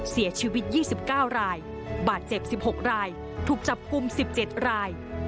เสียชีวิต๒๙รายบาดเจ็บ๑๖รายถูกจับกลุ่ม๑๗ราย